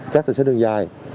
các tài xế đường dài